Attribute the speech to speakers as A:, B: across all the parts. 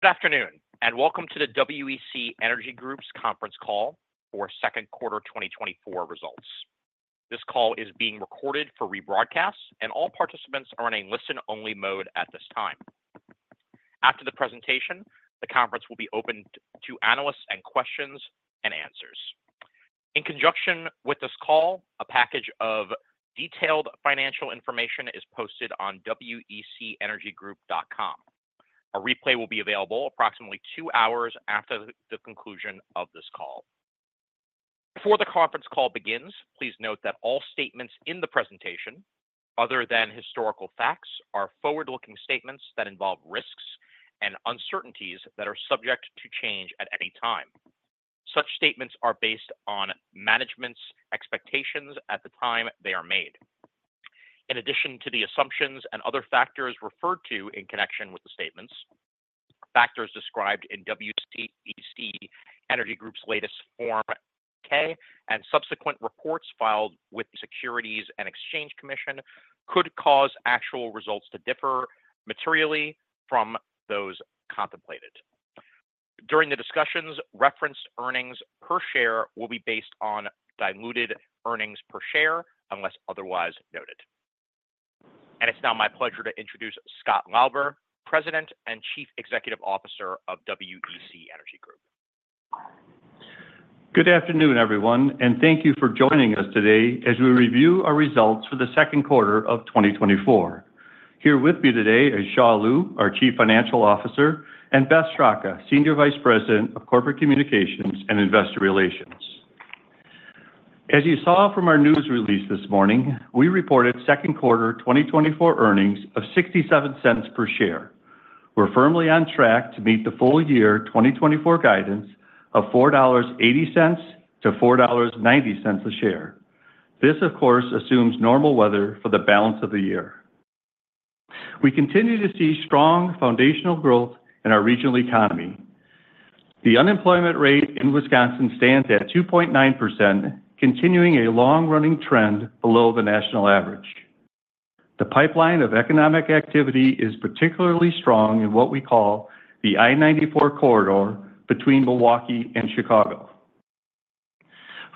A: Good afternoon, and welcome to the WEC Energy Group's Conference Call for Second Quarter 2024 results. This call is being recorded for rebroadcast, and all participants are in a listen-only mode at this time. After the presentation, the conference will be opened to analysts and questions and answers. In conjunction with this call, a package of detailed financial information is posted on wecenergygroup.com. A replay will be available approximately 2 hours after the conclusion of this call. Before the conference call begins, please note that all statements in the presentation, other than historical facts, are forward-looking statements that involve risks and uncertainties that are subject to change at any time. Such statements are based on management's expectations at the time they are made. In addition to the assumptions and other factors referred to in connection with the statements, factors described in WEC Energy Group's latest Form 10-K, and subsequent reports filed with the Securities and Exchange Commission could cause actual results to differ materially from those contemplated. During the discussions, referenced earnings per share will be based on diluted earnings per share, unless otherwise noted. It's now my pleasure to introduce Scott Lauber, President and Chief Executive Officer of WEC Energy Group.
B: Good afternoon, everyone, and thank you for joining us today as we review our results for the second quarter of 2024. Here with me today is Xia Liu, our Chief Financial Officer, and Beth Straka, Senior Vice President of Corporate Communications and Investor Relations. As you saw from our news release this morning, we reported second quarter 2024 earnings of $0.67 per share. We're firmly on track to meet the full year 2024 guidance of $4.80-$4.90 a share. This, of course, assumes normal weather for the balance of the year. We continue to see strong foundational growth in our regional economy. The unemployment rate in Wisconsin stands at 2.9%, continuing a long-running trend below the national average. The pipeline of economic activity is particularly strong in what we call the I-94 corridor between Milwaukee and Chicago.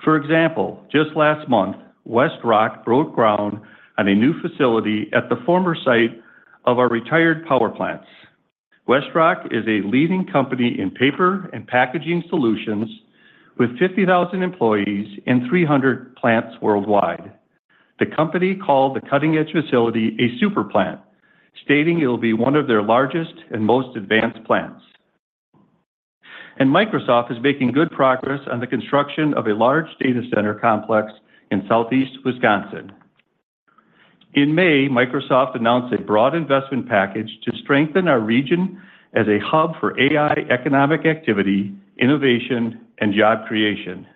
B: For example, just last month, WestRock broke ground on a new facility at the former site of our retired power plants. WestRock is a leading company in paper and packaging solutions, with 50,000 employees and 300 plants worldwide. The company called the cutting-edge facility a super plant, stating it will be one of their largest and most advanced plants. Microsoft is making good progress on the construction of a large data center complex in Southeast Wisconsin. In May, Microsoft announced a broad investment package to strengthen our region as a hub for AI economic activity, innovation, and job creation.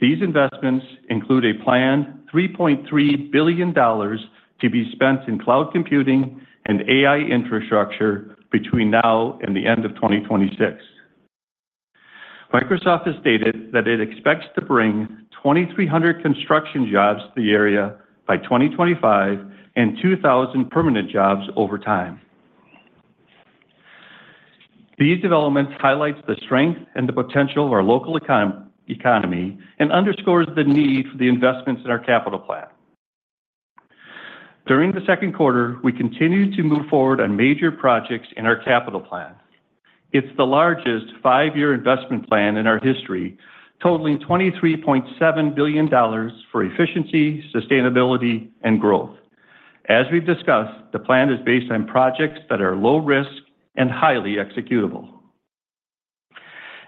B: These investments include a planned $3.3 billion to be spent in cloud computing and AI infrastructure between now and the end of 2026. Microsoft has stated that it expects to bring 2,300 construction jobs to the area by 2025 and 2,000 permanent jobs over time. These developments highlights the strength and the potential of our local economy and underscores the need for the investments in our capital plan. During the second quarter, we continued to move forward on major projects in our capital plan. It's the largest five-year investment plan in our history, totaling $23.7 billion for efficiency, sustainability, and growth. As we've discussed, the plan is based on projects that are low risk and highly executable.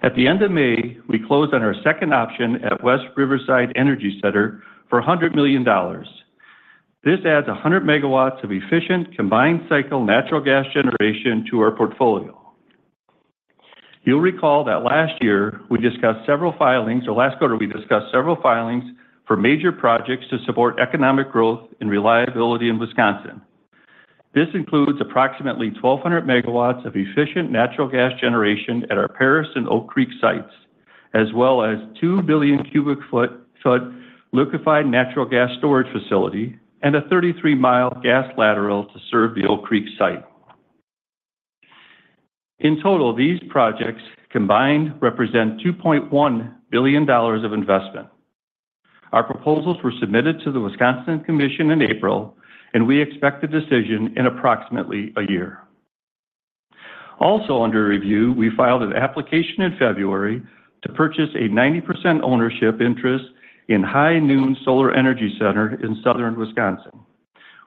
B: At the end of May, we closed on our second option at West Riverside Energy Center for $100 million. This adds 100 MW of efficient, combined-cycle natural gas generation to our portfolio. You'll recall that last year, we discussed several filings, or last quarter, we discussed several filings for major projects to support economic growth and reliability in Wisconsin. This includes approximately 1,200 megawatts of efficient natural gas generation at our Paris and Oak Creek sites, as well as 2 billion cubic feet liquefied natural gas storage facility and a 33-mile gas lateral to serve the Oak Creek site. In total, these projects combined represent $2.1 billion of investment. Our proposals were submitted to the Wisconsin Commission in April, and we expect a decision in approximately a year. Also under review, we filed an application in February to purchase a 90% ownership interest in High Noon Solar Energy Center in Southern Wisconsin.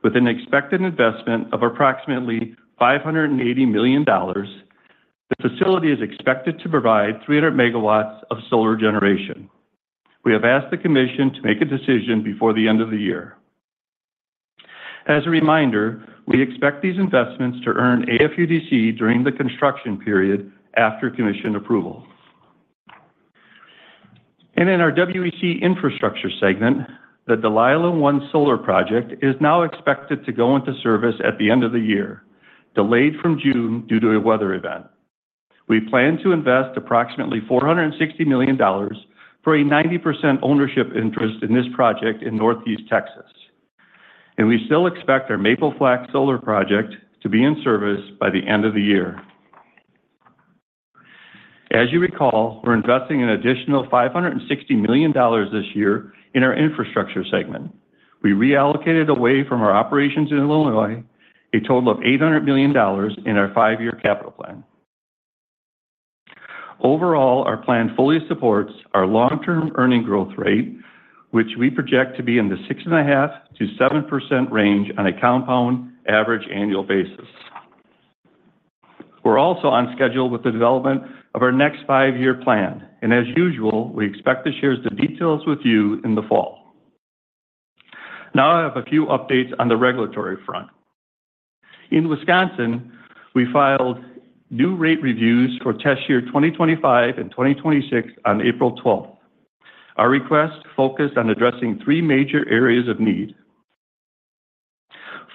B: With an expected investment of approximately $580 million, the facility is expected to provide 300 megawatts of solar generation. We have asked the commission to make a decision before the end of the year. As a reminder, we expect these investments to earn AFUDC during the construction period after commission approval. In our WEC Infrastructure segment, the Delilah I Solar project is now expected to go into service at the end of the year, delayed from June due to a weather event. We plan to invest approximately $460 million for a 90% ownership interest in this project in Northeast Texas... and we still expect our Maple Flats Solar project to be in service by the end of the year. As you recall, we're investing an additional $560 million this year in our infrastructure segment. We reallocated away from our operations in Illinois, a total of $800 million in our five-year capital plan. Overall, our plan fully supports our long-term earnings growth rate, which we project to be in the 6.5%-7% range on a compound average annual basis. We're also on schedule with the development of our next five-year plan, and as usual, we expect to share the details with you in the fall. Now, I have a few updates on the regulatory front. In Wisconsin, we filed new rate reviews for test year 2025 and 2026 on April 12. Our request focused on addressing three major areas of need.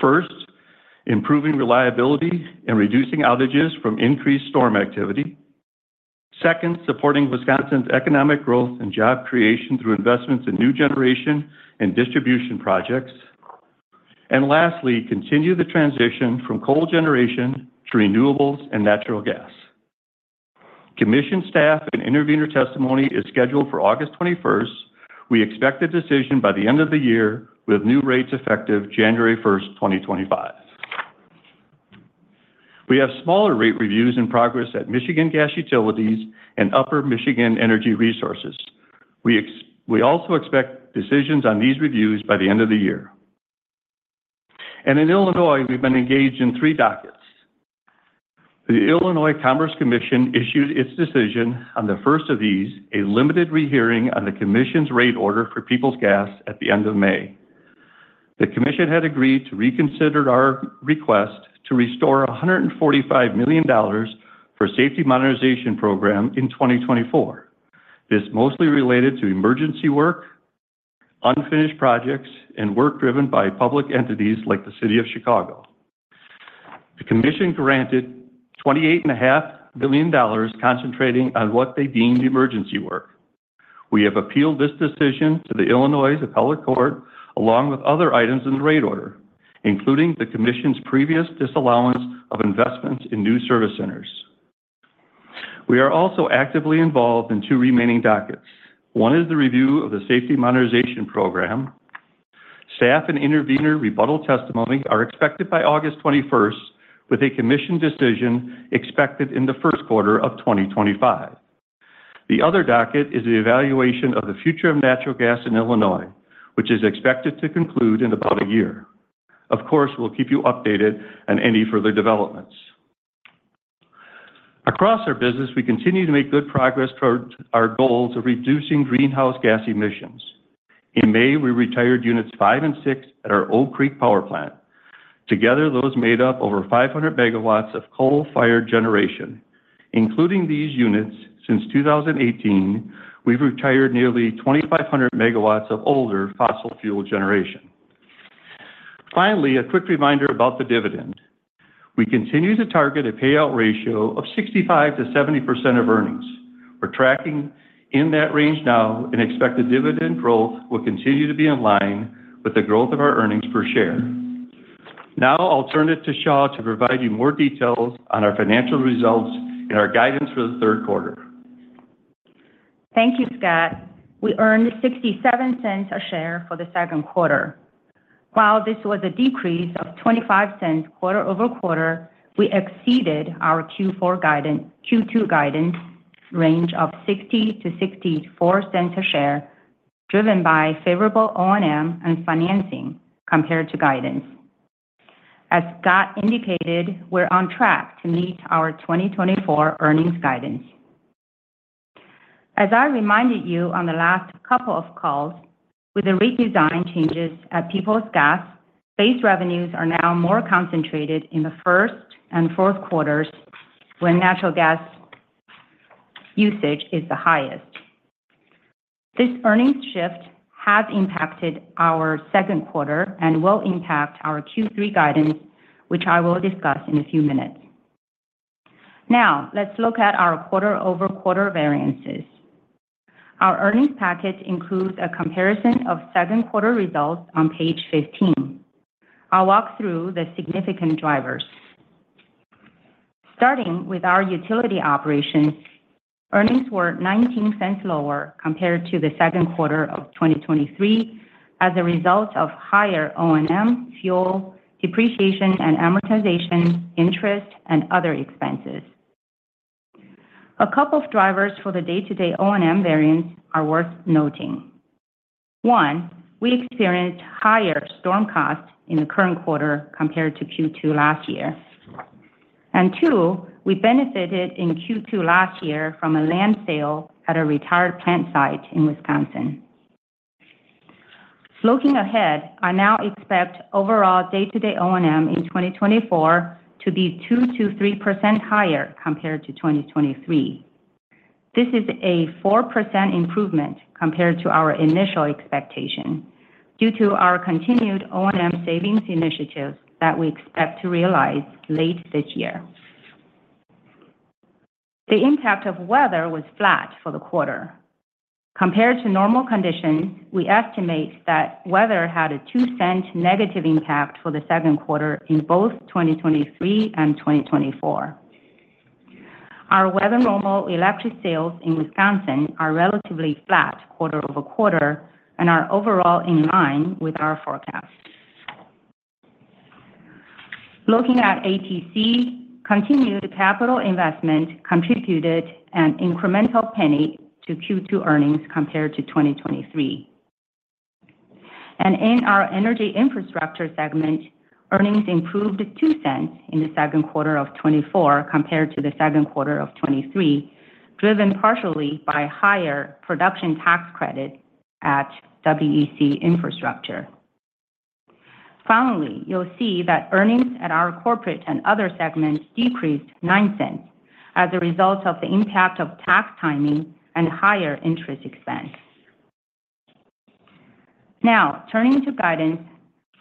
B: First, improving reliability and reducing outages from increased storm activity. Second, supporting Wisconsin's economic growth and job creation through investments in new generation and distribution projects. And lastly, continue the transition from coal generation to renewables and natural gas. Commission staff and intervenor testimony is scheduled for August 21. We expect a decision by the end of the year, with new rates effective January 1, 2025. We have smaller rate reviews in progress at Michigan Gas Utilities and Upper Michigan Energy Resources. We also expect decisions on these reviews by the end of the year. In Illinois, we've been engaged in three dockets. The Illinois Commerce Commission issued its decision on the first of these, a limited rehearing on the Commission's rate order for Peoples Gas at the end of May. The Commission had agreed to reconsider our request to restore $145 million for Safety Modernization Program in 2024. This mostly related to emergency work, unfinished projects, and work driven by public entities like the City of Chicago. The Commission granted $28.5 million, concentrating on what they deemed emergency work. We have appealed this decision to the Illinois Appellate Court, along with other items in the rate order, including the Commission's previous disallowance of investments in new service centers. We are also actively involved in two remaining dockets. One is the review of the Safety Modernization Program. Staff and intervenor rebuttal testimony are expected by August 21, with a Commission decision expected in the first quarter of 2025. The other docket is the evaluation of the future of natural gas in Illinois, which is expected to conclude in about a year. Of course, we'll keep you updated on any further developments. Across our business, we continue to make good progress towards our goals of reducing greenhouse gas emissions. In May, we retired units 5 and 6 at our Oak Creek Power Plant. Together, those made up over 500 MW of coal-fired generation. Including these units, since 2018, we've retired nearly 2,500 megawatts of older fossil fuel generation. Finally, a quick reminder about the dividend. We continue to target a payout ratio of 65%-70% of earnings. We're tracking in that range now and expect the dividend growth will continue to be in line with the growth of our earnings per share. Now, I'll turn it to Xia to provide you more details on our financial results and our guidance for the third quarter.
C: Thank you, Scott. We earned $0.67 a share for the second quarter. While this was a decrease of $0.25 quarter-over-quarter, we exceeded our Q2 guidance range of $0.60-$0.64 a share, driven by favorable O&M and financing compared to guidance. As Scott indicated, we're on track to meet our 2024 earnings guidance. As I reminded you on the last couple of calls, with the redesign changes at Peoples Gas, base revenues are now more concentrated in the first and fourth quarters when natural gas usage is the highest. This earnings shift has impacted our second quarter and will impact our Q3 guidance, which I will discuss in a few minutes. Now, let's look at our quarter-over-quarter variances. Our earnings package includes a comparison of second quarter results on page 15. I'll walk through the significant drivers. Starting with our utility operations, earnings were $0.19 lower compared to the second quarter of 2023, as a result of higher O&M, fuel, depreciation and amortization, interest, and other expenses. A couple of drivers for the day-to-day O&M variance are worth noting. One, we experienced higher storm costs in the current quarter compared to Q2 last year. And two, we benefited in Q2 last year from a land sale at a retired plant site in Wisconsin. Looking ahead, I now expect overall day-to-day O&M in 2024 to be 2%-3% higher compared to 2023. This is a 4% improvement compared to our initial expectation, due to our continued O&M savings initiatives that we expect to realize late this year.... The impact of weather was flat for the quarter. Compared to normal conditions, we estimate that weather had a $0.02 negative impact for the second quarter in both 2023 and 2024. Our weather normal electric sales in Wisconsin are relatively flat quarter-over-quarter and are overall in line with our forecast. Looking at ATC, continued capital investment contributed an incremental $0.01 to Q2 earnings compared to 2023. And in our energy infrastructure segment, earnings improved $0.02 in the second quarter of 2024 compared to the second quarter of 2023, driven partially by higher production tax credit at WEC Infrastructure. Finally, you'll see that earnings at our corporate and other segments decreased $0.09 as a result of the impact of tax timing and higher interest expense. Now, turning to guidance.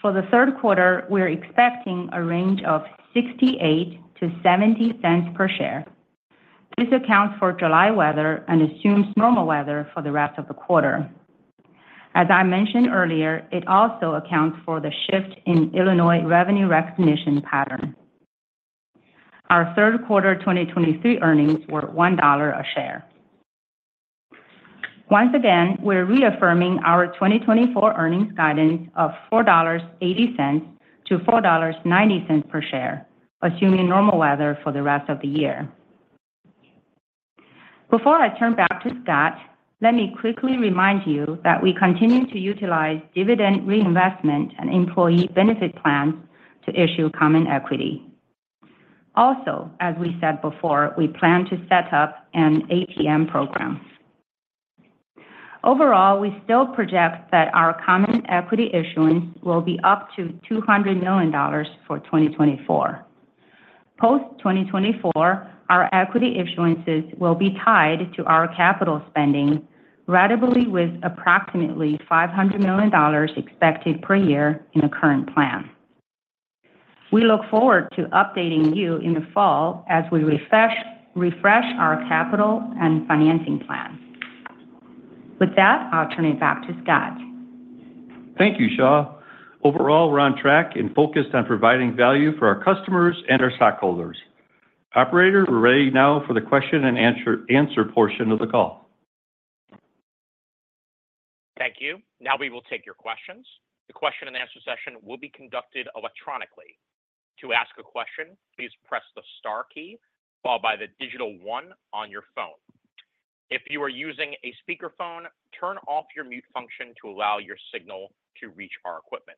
C: For the Third Quarter, we're expecting a range of $0.68-$0.70 per share. This accounts for July weather and assumes normal weather for the rest of the quarter. As I mentioned earlier, it also accounts for the shift in Illinois revenue recognition pattern. Our Third Quarter 2023 earnings were $1 a share. Once again, we're reaffirming our 2024 earnings guidance of $4.80-$4.90 per share, assuming normal weather for the rest of the year. Before I turn back to Scott, let me quickly remind you that we continue to utilize dividend reinvestment and employee benefit plans to issue common equity. Also, as we said before, we plan to set up an ATM program. Overall, we still project that our common equity issuance will be up to $200 million for 2024. Post 2024, our equity issuances will be tied to our capital spending, ratably with approximately $500 million expected per year in the current plan. We look forward to updating you in the fall as we refresh our capital and financing plan. With that, I'll turn it back to Scott.
B: Thank you, Xia. Overall, we're on track and focused on providing value for our customers and our stockholders. Operator, we're ready now for the question and answer portion of the call.
A: Thank you. Now we will take your questions. The question and answer session will be conducted electronically. To ask a question, please press the star key, followed by the digital one on your phone. If you are using a speakerphone, turn off your mute function to allow your signal to reach our equipment.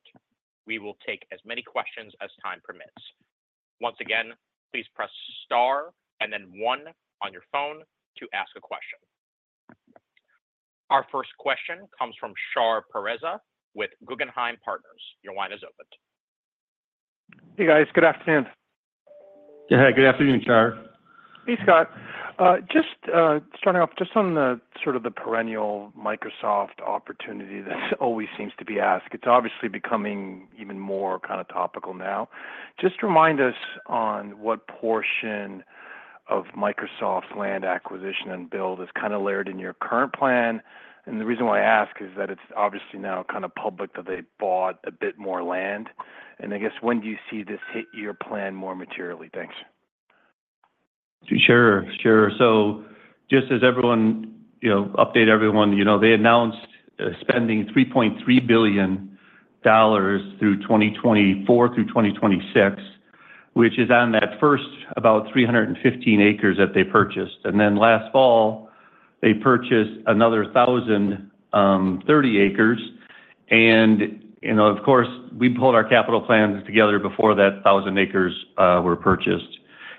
A: We will take as many questions as time permits. Once again, please press star and then one on your phone to ask a question. Our first question comes from Shahriar Pourreza with Guggenheim Partners. Your line is open.
D: Hey, guys. Good afternoon.
B: Yeah, good afternoon, Shahriar.
D: Hey, Scott. Just starting off just on the sort of the perennial Microsoft opportunity that always seems to be asked. It's obviously becoming even more kind of topical now. Just remind us on what portion of Microsoft's land acquisition and build is kind of layered in your current plan. And the reason why I ask is that it's obviously now kind of public that they bought a bit more land. And I guess, when do you see this hit your plan more materially? Thanks.
B: Sure, sure. So just as everyone, you know, update everyone, you know, they announced spending $3.3 billion through 2024 through 2026, which is on that first about 315 acres that they purchased. And then last fall, they purchased another 1,030 acres. And you know, of course, we pulled our capital plans together before that 1,000 acres were purchased.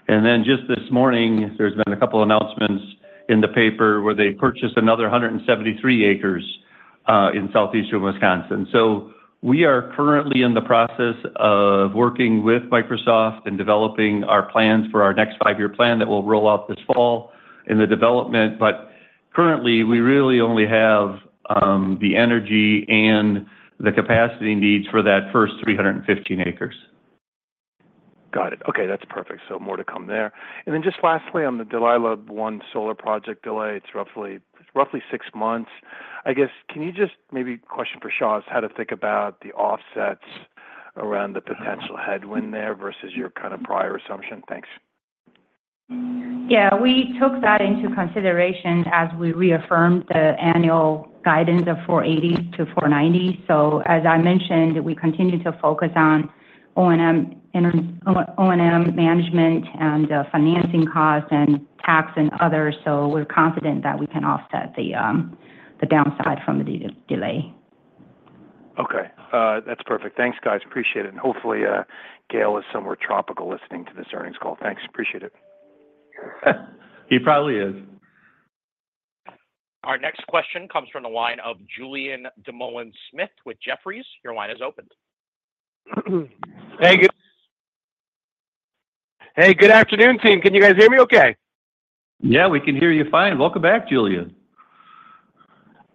B: And then just this morning, there's been a couple announcements in the paper where they purchased another 173 acres in southeastern Wisconsin. So we are currently in the process of working with Microsoft and developing our plans for our next five-year plan that will roll out this fall in the development. But currently, we really only have the energy and the capacity needs for that first 315 acres.
D: Got it. Okay, that's perfect. So more to come there. And then just lastly, on the Delilah I Solar project delay, it's roughly, roughly six months. I guess, can you just maybe question for Xia is how to think about the offsets around the potential headwind there versus your kind of prior assumption? Thanks.
C: Yeah, we took that into consideration as we reaffirmed the annual guidance of $4.80-$4.90. So as I mentioned, we continue to focus on O&M, O&M management and financing costs and tax and others. So we're confident that we can offset the downside from the delay.
D: Okay, that's perfect. Thanks, guys. Appreciate it. And hopefully, Gale is somewhere tropical listening to this earnings call. Thanks. Appreciate it.
B: He probably is.
A: Our next question comes from the line of Julien Dumoulin-Smith with Jefferies. Your line is open.
E: Hey, good afternoon, team. Can you guys hear me okay?
B: Yeah, we can hear you fine. Welcome back, Julian....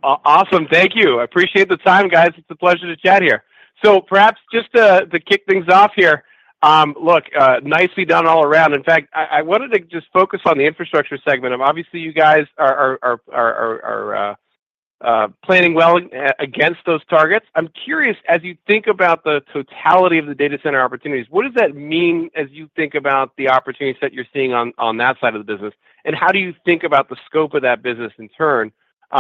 E: Awesome. Thank you. I appreciate the time, guys. It's a pleasure to chat here. So perhaps just to kick things off here, look, nicely done all around. In fact, I wanted to just focus on the infrastructure segment. Obviously, you guys are planning well against those targets. I'm curious, as you think about the totality of the data center opportunities, what does that mean as you think about the opportunities that you're seeing on that side of the business? And how do you think about the scope of that business in turn?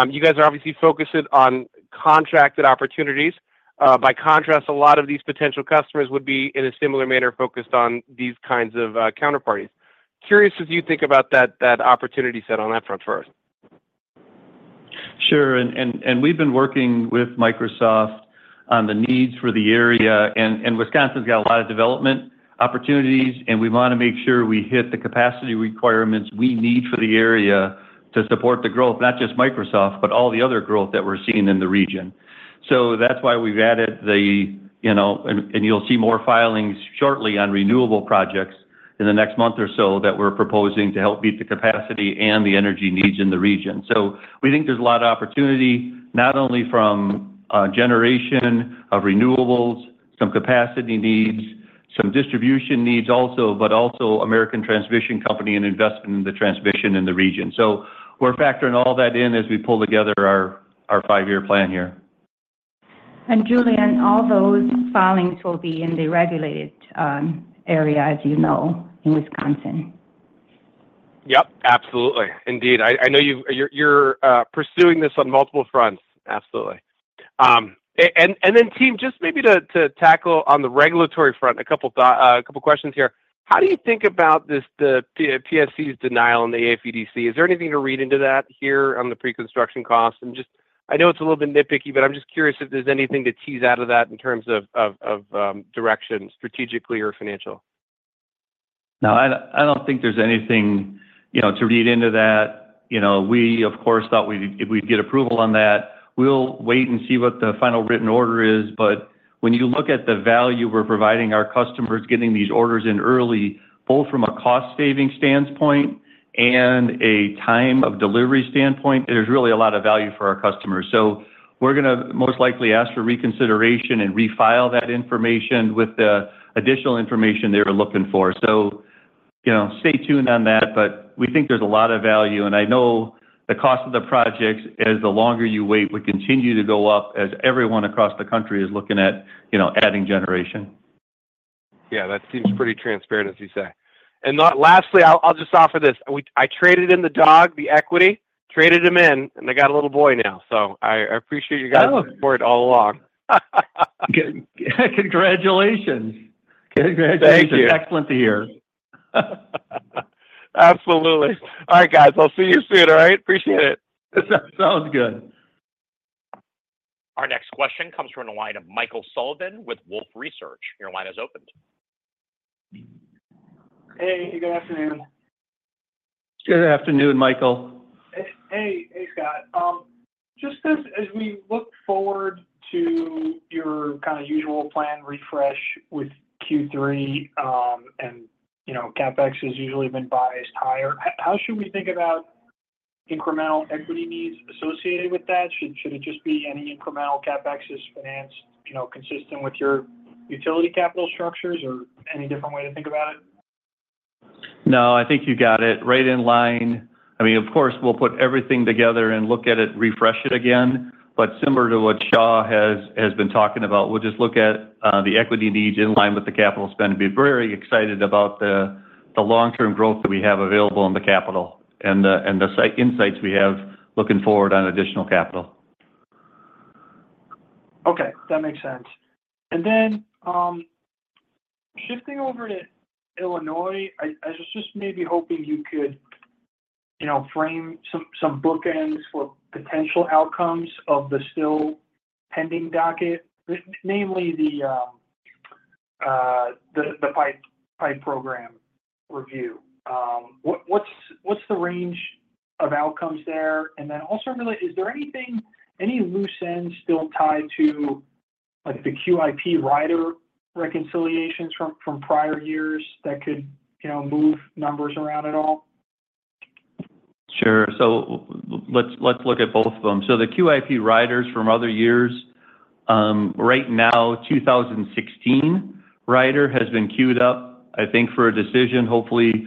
E: You guys are obviously focusing on contracted opportunities. By contrast, a lot of these potential customers would be, in a similar manner, focused on these kinds of counterparties. Curious, as you think about that opportunity set on that front first.
B: Sure. And we've been working with Microsoft on the needs for the area, and Wisconsin's got a lot of development opportunities, and we want to make sure we hit the capacity requirements we need for the area to support the growth, not just Microsoft, but all the other growth that we're seeing in the region. So that's why we've added the, you know—and you'll see more filings shortly on renewable projects in the next month or so that we're proposing to help meet the capacity and the energy needs in the region. So we think there's a lot of opportunity, not only from generation of renewables, some capacity needs, some distribution needs also, but also American Transmission Company and investment in the transmission in the region. So we're factoring all that in as we pull together our five-year plan here.
F: Julien, all those filings will be in the regulated area, as you know, in Wisconsin.
E: Yep, absolutely. Indeed, I know you've-- you're pursuing this on multiple fronts. Absolutely. And then team, just maybe to tackle on the regulatory front, a couple questions here: How do you think about this, the PSCW's denial on the AFUDC? Is there anything to read into that here on the pre-construction costs? And just... I know it's a little bit nitpicky, but I'm just curious if there's anything to tease out of that in terms of direction, strategically or financial.
B: No, I don't think there's anything, you know, to read into that. You know, we, of course, thought we'd get approval on that. We'll wait and see what the final written order is, but when you look at the value we're providing our customers, getting these orders in early, both from a cost-saving standpoint and a time of delivery standpoint, there's really a lot of value for our customers. So we're going to most likely ask for reconsideration and refile that information with the additional information they were looking for. So, you know, stay tuned on that, but we think there's a lot of value, and I know the cost of the projects, as the longer you wait, would continue to go up as everyone across the country is looking at, you know, adding generation.
E: Yeah, that seems pretty transparent, as you say. And lastly, I'll just offer this: I traded in the dog, the equity, traded him in, and I got a little boy now, so I appreciate you guys-
B: Oh!
E: support all along.
B: Congratulations. Congratulations.
E: Thank you.
B: Excellent to hear.
E: Absolutely. All right, guys, I'll see you soon, all right? Appreciate it.
B: Sounds good.
A: Our next question comes from the line of Michael Sullivan with Wolfe Research. Your line is opened.
G: Hey, good afternoon.
B: Good afternoon, Michael.
G: Hey, hey, Scott. Just as we look forward to your kind of usual plan refresh with Q3, and, you know, CapEx has usually been biased higher, how should we think about incremental equity needs associated with that? Should it just be any incremental CapEx is financed, you know, consistent with your utility capital structures, or any different way to think about it?
B: No, I think you got it right in line. I mean, of course, we'll put everything together and look at it, refresh it again. But similar to what Xia has been talking about, we'll just look at the equity needs in line with the capital spend. We're very excited about the long-term growth that we have available in the capital and the insights we have looking forward on additional capital.
G: Okay, that makes sense. And then, shifting over to Illinois, I was just maybe hoping you could, you know, frame some bookends for potential outcomes of the still pending docket, namely the SMP program review. What's the range of outcomes there? And then also, really, is there anything, any loose ends still tied to, like, the QIP rider reconciliations from prior years that could, you know, move numbers around at all?
B: Sure. So let's look at both of them. So the QIP riders from other years, right now, 2016 rider has been queued up, I think, for a decision. Hopefully,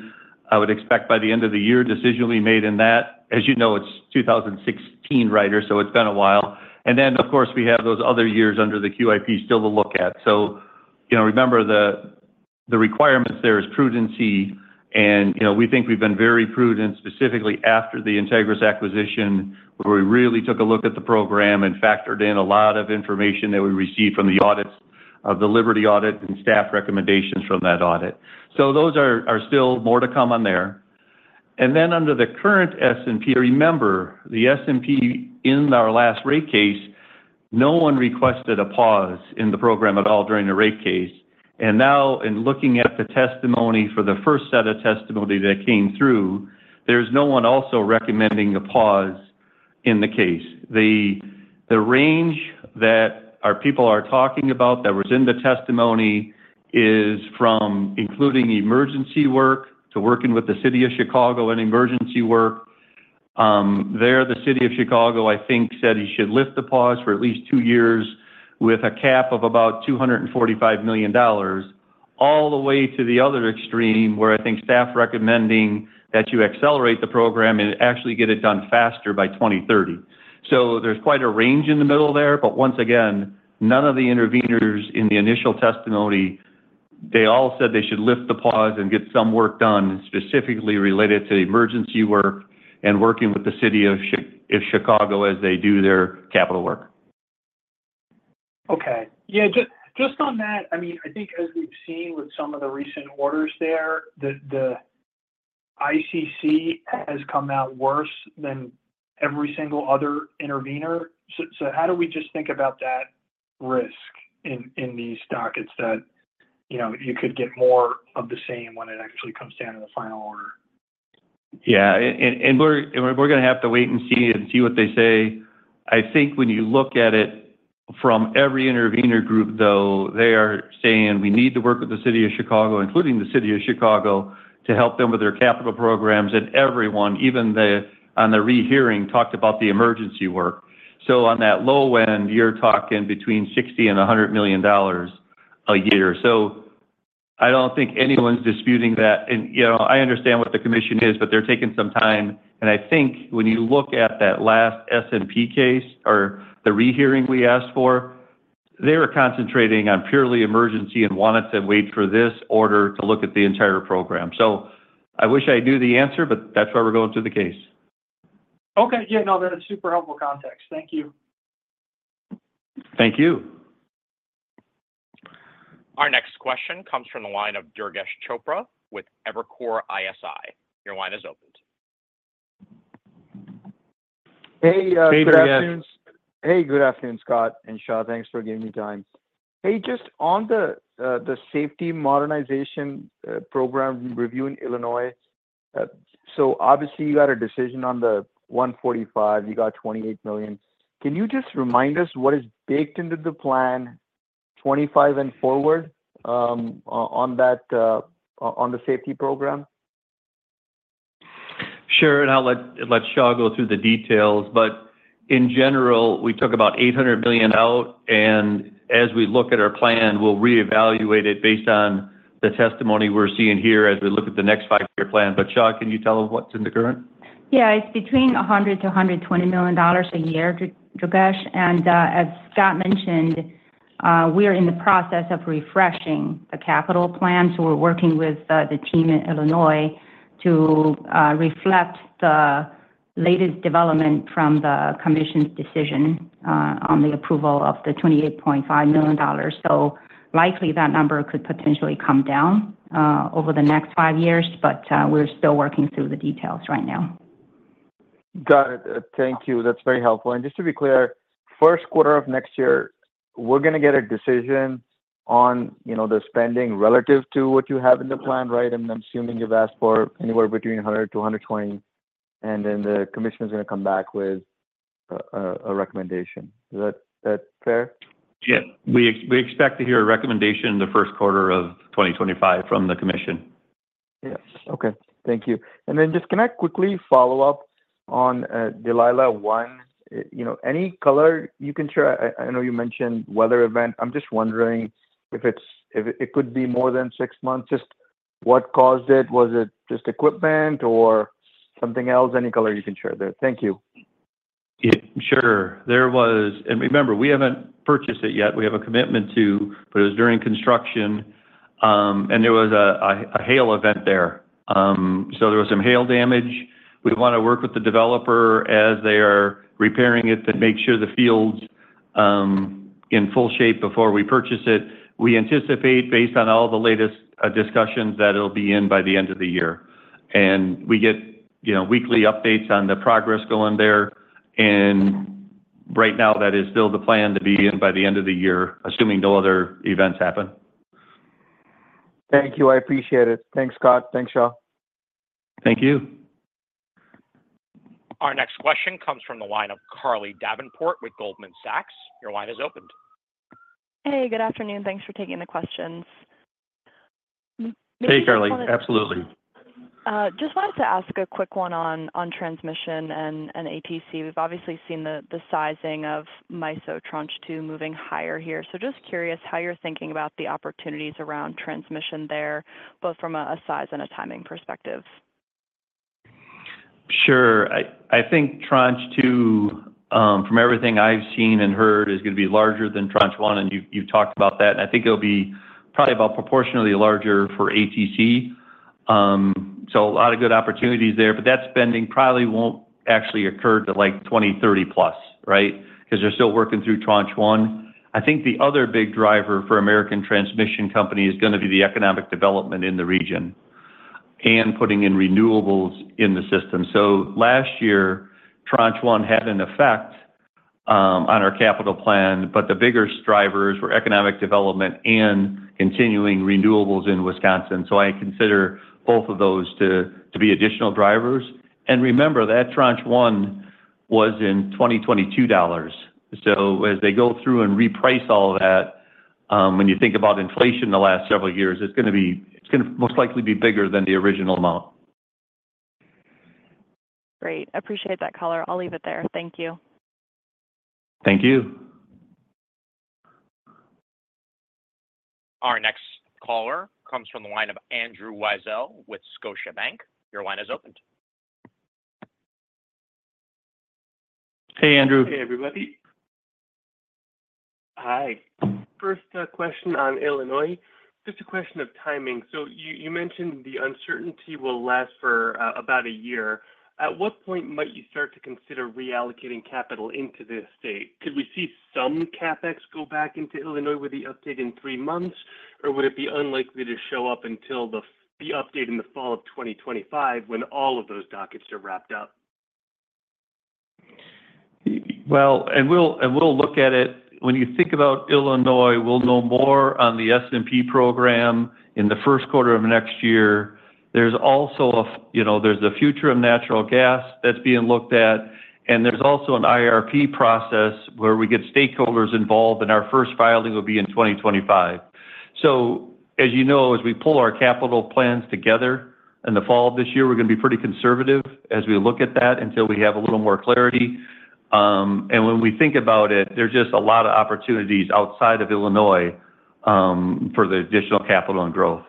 B: I would expect by the end of the year, a decision will be made in that. As you know, it's 2016 rider, so it's been a while. And then, of course, we have those other years under the QIP still to look at. So you know, remember the requirements there is prudence, and, you know, we think we've been very prudent, specifically after the Integrys acquisition, where we really took a look at the program and factored in a lot of information that we received from the audits of the Liberty audit and staff recommendations from that audit. So those are still more to come on there. Then under the current SMP, remember, the SMP in our last rate case, no one requested a pause in the program at all during the rate case. And now, in looking at the testimony for the first set of testimony that came through, there's no one also recommending a pause in the case. The range that our people are talking about that was in the testimony is from including the emergency work to working with the City of Chicago in emergency work. There, the City of Chicago, I think, said they should lift the pause for at least two years with a cap of about $245 million, all the way to the other extreme, where I think staff recommending that you accelerate the program and actually get it done faster by 2030. There's quite a range in the middle there, but once again, none of the intervenors in the initial testimony, they all said they should lift the pause and get some work done, specifically related to the emergency work and working with the City of Chicago as they do their capital work.
G: Okay. Yeah, just on that, I mean, I think as we've seen with some of the recent orders there, the ICC has come out worse than every single other intervenor. So how do we just think about that risk in these dockets that, you know, you could get more of the same when it actually comes down to the final order?
B: Yeah, we're gonna have to wait and see what they say. I think when you look at it from every intervenor group, though, they are saying we need to work with the City of Chicago, including the City of Chicago, to help them with their capital programs. And everyone, even on the rehearing, talked about the emergency work. So on that low end, you're talking between $60 million and $100 million a year. So I don't think anyone's disputing that. And, you know, I understand what the commission is, but they're taking some time. And I think when you look at that last SMP case or the rehearing we asked for, they were concentrating on purely emergency and wanted to wait for this order to look at the entire program. I wish I knew the answer, but that's why we're going through the case.
G: Okay. Yeah, no, that is super helpful context. Thank you.
B: Thank you.
A: Our next question comes from the line of Durgesh Chopra with Evercore ISI. Your line is opened.
H: Hey, uh-
B: Hey, Durgesh.
H: Good afternoon. Hey, good afternoon, Scott and Xia. Thanks for giving me time. Hey, just on the Safety Modernization Program review in Illinois, so obviously you got a decision on the 145, you got $28 million. Can you just remind us what is baked into the plan 2025 and forward, on that, on the Safety Modernization Program?
B: Sure, and I'll let Xia go through the details. But in general, we took about $800 million out, and as we look at our plan, we'll reevaluate it based on the testimony we're seeing here as we look at the next five-year plan. But, Xia, can you tell him what's in the current?
C: Yeah. It's between $100 million-$120 million a year, Durgesh. As Scott mentioned, we are in the process of refreshing the capital plan, so we're working with the team in Illinois to reflect the latest development from the commission's decision on the approval of the $28.5 million. So likely, that number could potentially come down over the next five years, but we're still working through the details right now.
H: Got it. Thank you. That's very helpful. And just to be clear, first quarter of next year, we're gonna get a decision on, you know, the spending relative to what you have in the plan, right? I'm assuming you've asked for anywhere between $100-$220, and then the commission is gonna come back with a recommendation. Is that fair?
B: Yeah. We expect to hear a recommendation in the first quarter of 2025 from the commission.
H: Yes. Okay, thank you. And then just can I quickly follow up on Delilah I? You know, any color you can share... I know you mentioned weather event. I'm just wondering if it could be more than six months. Just what caused it? Was it just equipment or something else? Any color you can share there. Thank you.
B: Yeah, sure. There was. And remember, we haven't purchased it yet. We have a commitment to, but it was during construction, and there was a hail event there. So there was some hail damage. We want to work with the developer as they are repairing it to make sure the field in full shape before we purchase it. We anticipate, based on all the latest discussions, that it'll be in by the end of the year. And we get, you know, weekly updates on the progress going there. And right now, that is still the plan, to be in by the end of the year, assuming no other events happen.
H: Thank you. I appreciate it. Thanks, Scott. Thanks, Xia.
B: Thank you.
A: Our next question comes from the line of Carly Davenport with Goldman Sachs. Your line is opened.
I: Hey, good afternoon. Thanks for taking the questions.
B: Hey, Carly. Absolutely.
I: Just wanted to ask a quick one on transmission and ATC. We've obviously seen the sizing of MISO Tranche 2 moving higher here. So just curious how you're thinking about the opportunities around transmission there, both from a size and a timing perspective.
B: Sure. I think Tranche 2, from everything I've seen and heard, is gonna be larger than Tranche 1, and you've talked about that. And I think it'll be probably about proportionally larger for ATC. So a lot of good opportunities there, but that spending probably won't actually occur till, like, 2030 plus, right? Because they're still working through Tranche 1. I think the other big driver for American Transmission Company is gonna be the economic development in the region and putting in renewables in the system. So last year, Tranche 1 had an effect on our capital plan, but the biggest drivers were economic development and continuing renewables in Wisconsin. So I consider both of those to be additional drivers. And remember that Tranche 1 was in 2022 dollars. So as they go through and reprice all of that, when you think about inflation in the last several years, it's gonna be—it's gonna most likely be bigger than the original amount.
I: Great. Appreciate that color. I'll leave it there. Thank you.
B: Thank you.
A: Our next caller comes from the line of Andrew Weisel with Scotiabank. Your line is open.
B: Hey, Andrew.
J: Hey, everybody. Hi. First, question on Illinois. Just a question of timing. So you, you mentioned the uncertainty will last for, about a year. At what point might you start to consider reallocating capital into this state? Could we see some CapEx go back into Illinois with the update in three months, or would it be unlikely to show up until the, the update in the fall of 2025 when all of those dockets are wrapped up?
B: Well, and we'll look at it. When you think about Illinois, we'll know more on the SMP program in the first quarter of next year. There's also a, you know, there's the future of natural gas that's being looked at, and there's also an IRP process where we get stakeholders involved, and our first filing will be in 2025. So, as you know, as we pull our capital plans together in the fall of this year, we're gonna be pretty conservative as we look at that until we have a little more clarity. And when we think about it, there's just a lot of opportunities outside of Illinois, for the additional capital and growth.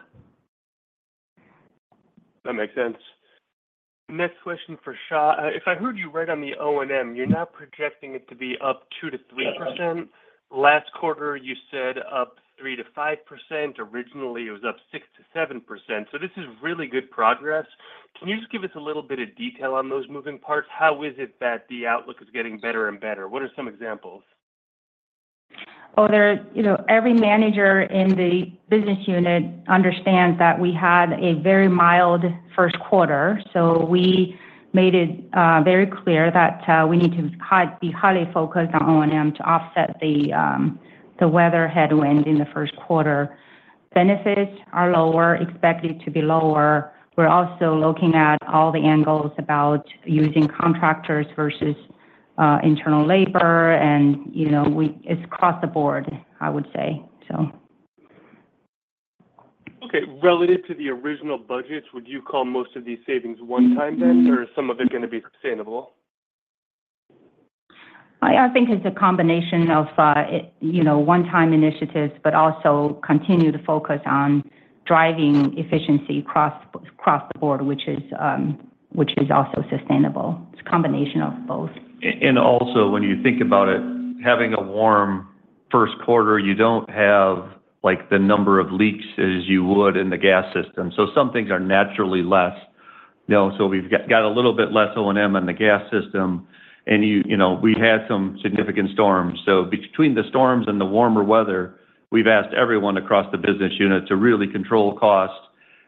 J: That makes sense. Next question for Sha. If I heard you right on the O&M, you're now projecting it to be up 2%-3%. Last quarter, you said up 3%-5%. Originally, it was up 6%-7%, so this is really good progress. Can you just give us a little bit of detail on those moving parts? How is it that the outlook is getting better and better? What are some examples?
C: Well, you know, every manager in the business unit understands that we had a very mild first quarter, so we made it very clear that we need to be highly focused on O&M to offset the weather headwind in the first quarter. Benefits are lower, expected to be lower. We're also looking at all the angles about using contractors versus internal labor, and, you know, it's across the board, I would say, so.
J: Okay. Relative to the original budgets, would you call most of these savings one-time then, or is some of it gonna be sustainable?
C: I think it's a combination of, you know, one-time initiatives, but also continue to focus on driving efficiency across the board, which is also sustainable. It's a combination of both.
B: And also, when you think about it, having a warm first quarter, you don't have, like, the number of leaks as you would in the gas system, so some things are naturally less. You know, so we've got a little bit less O&M on the gas system, and you know, we had some significant storms. So between the storms and the warmer weather, we've asked everyone across the business unit to really control cost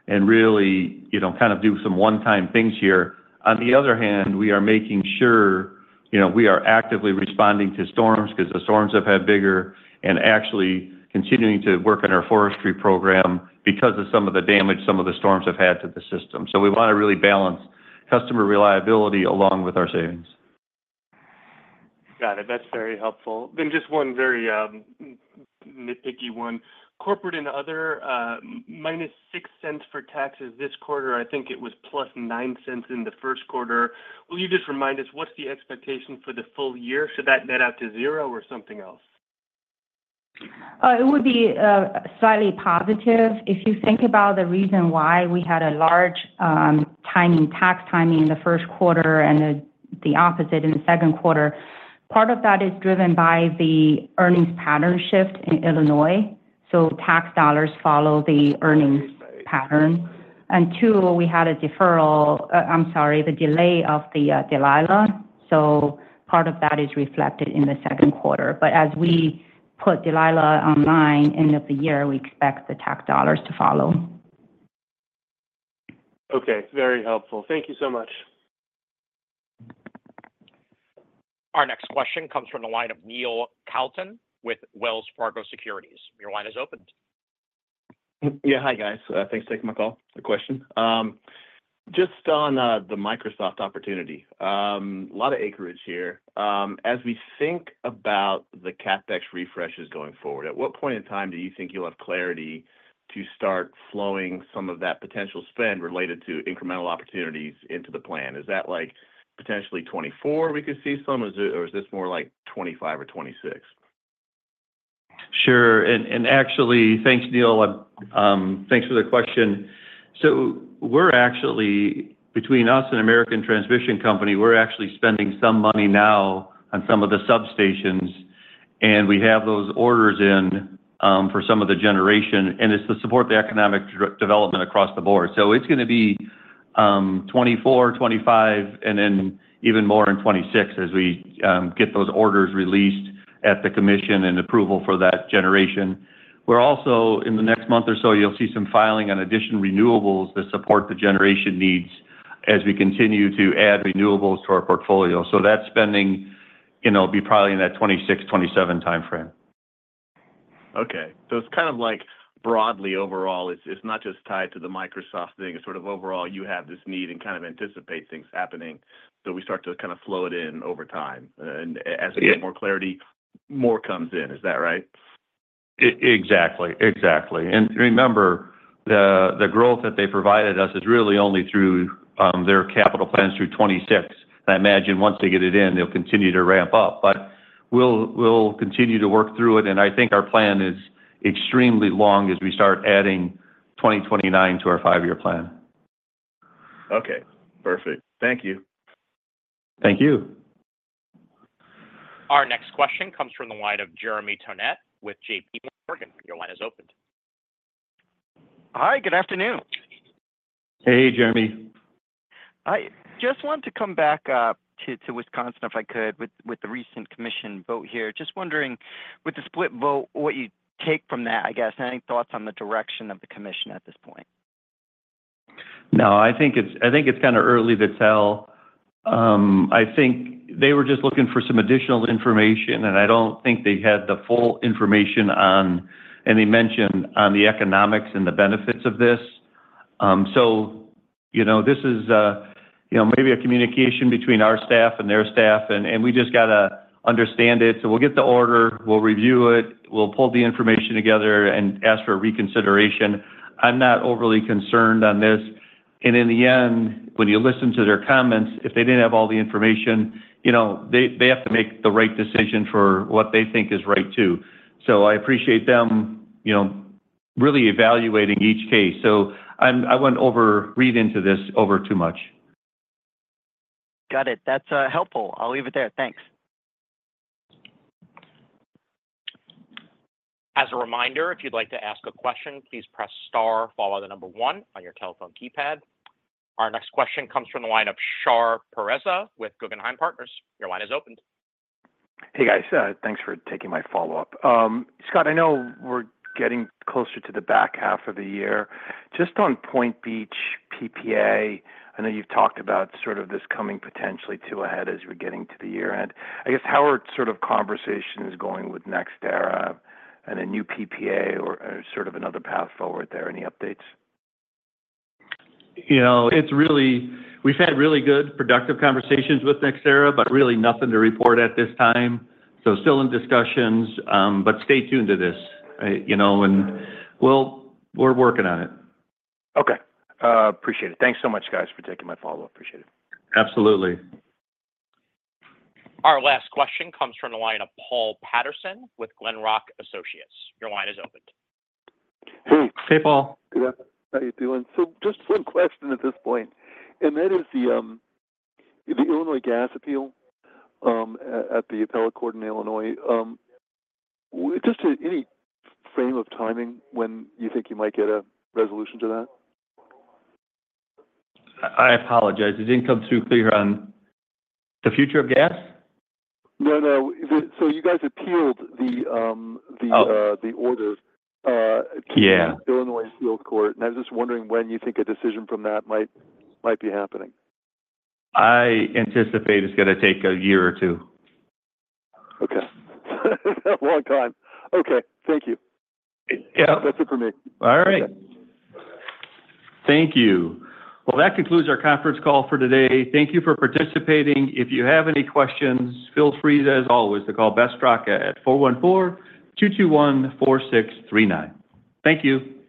B: and really, you know, kind of do some one-time things here. On the other hand, we are making sure, you know, we are actively responding to storms because the storms have had bigger, and actually continuing to work on our forestry program because of some of the damage some of the storms have had to the system. So we want to really balance customer reliability along with our savings.
J: Got it. That's very helpful. Then just one very nitpicky one. Corporate and other minus -$0.06 for taxes this quarter. I think it was +$0.09 in the first quarter. Will you just remind us, what's the expectation for the full year? Should that net out to zero or something else?
C: It would be slightly positive. If you think about the reason why we had a large timing, tax timing in the first quarter and the opposite in the second quarter, part of that is driven by the earnings pattern shift in Illinois, so tax dollars follow the earnings pattern. And two, we had a deferral, I'm sorry, the delay of the Delilah, so part of that is reflected in the second quarter. But as we put Delilah online end of the year, we expect the tax dollars to follow.
J: Okay, very helpful. Thank you so much.
A: Our next question comes from the line of Neil Kalton with Wells Fargo Securities. Your line is open.
K: Yeah. Hi, guys. Thanks for taking my call, the question. Just on the Microsoft opportunity, a lot of acreage here. As we think about the CapEx refreshes going forward, at what point in time do you think you'll have clarity to start flowing some of that potential spend related to incremental opportunities into the plan? Is that, like, potentially 2024 we could see some, or is it, or is this more like 2025 or 2026?
B: Sure. Actually, thanks, Neil. Thanks for the question. So we're actually, between us and American Transmission Company, we're actually spending some money now on some of the substations, and we have those orders in for some of the generation, and it's to support the economic development across the board. So it's gonna be 2024, 2025, and then even more in 2026 as we get those orders released at the commission and approval for that generation. We're also, in the next month or so, you'll see some filing on additional renewables that support the generation needs as we continue to add renewables to our portfolio. So that spending, you know, will be probably in that 2026, 2027 timeframe....
K: Okay, so it's kind of like broadly overall, it's, it's not just tied to the Microsoft thing. It's sort of overall, you have this need and kind of anticipate things happening, so we start to kind of flow it in over time. And as we get-
B: Yeah...
K: more clarity, more comes in. Is that right?
B: Exactly. Exactly. And remember, the growth that they provided us is really only through their capital plans through 2026. I imagine once they get it in, they'll continue to ramp up. But we'll continue to work through it, and I think our plan is extremely long as we start adding 2029 to our five-year plan.
K: Okay, perfect. Thank you.
B: Thank you.
A: Our next question comes from the line of Jeremy Tonet with JPMorgan. Your line is opened.
L: Hi, good afternoon.
B: Hey, Jeremy.
L: I just wanted to come back to Wisconsin, if I could, with the recent commission vote here. Just wondering, with the split vote, what you take from that, I guess. Any thoughts on the direction of the commission at this point?
B: No, I think it's, I think it's kind of early to tell. I think they were just looking for some additional information, and I don't think they had the full information on... And they mentioned on the economics and the benefits of this. So, you know, this is, you know, maybe a communication between our staff and their staff, and, and we just got to understand it. So we'll get the order, we'll review it, we'll pull the information together and ask for a reconsideration. I'm not overly concerned on this, and in the end, when you listen to their comments, if they didn't have all the information, you know, they, they have to make the right decision for what they think is right, too. So I appreciate them, you know, really evaluating each case. So I'm. I wouldn't overread into this too much.
L: Got it. That's, helpful. I'll leave it there. Thanks.
A: As a reminder, if you'd like to ask a question, please press star, follow the number one on your telephone keypad. Our next question comes from the line of Shahriar Pourreza with Guggenheim Partners. Your line is opened.
D: Hey, guys. Thanks for taking my follow-up. Scott, I know we're getting closer to the back half of the year. Just on Point Beach PPA, I know you've talked about sort of this coming potentially to a head as we're getting to the year-end. I guess, how are sort of conversations going with NextEra and a new PPA or, or sort of another path forward there? Any updates?
B: You know, it's really. We've had really good, productive conversations with NextEra, but really nothing to report at this time. So still in discussions, but stay tuned to this, you know, and we're working on it.
D: Okay. Appreciate it. Thank you so much, guys, for taking my follow-up. Appreciate it.
B: Absolutely.
A: Our last question comes from the line of Paul Patterson with Glenrock Associates. Your line is opened.
M: Hey.
B: Hey, Paul.
M: Yeah. How are you doing? So just one question at this point, and that is the Illinois gas appeal at the Illinois Appellate Court. Just any frame of timing when you think you might get a resolution to that?
B: I apologize, it didn't come through clear on... The future of gas?
M: No, no. So you guys appealed the, the-
B: Oh...
M: the order,
B: Yeah...
M: Illinois Appellate Court, and I was just wondering when you think a decision from that might be happening?
B: I anticipate it's gonna take a year or two.
M: Okay. Long time. Okay, thank you.
B: Yeah.
M: That's it for me.
B: All right. Thank you. Well, that concludes our conference call for today.
A: Thank you for participating. If you have any questions, feel free, as always, to call Beth Straka at 414-221-4639. Thank you.